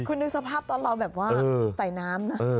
คุณนึกสภาพตอนเราแบบว่าใส่น้ำนะ